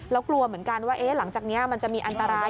แล้วกลัวเหมือนกันว่าหลังจากนี้มันจะมีอันตราย